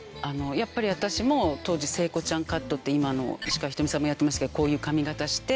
やっぱり私も当時聖子ちゃんカットって今の石川ひとみさんもやってますけどこういう髪形して。